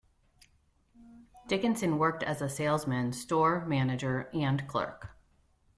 Dickinson worked as a salesman, store manager, and clerk.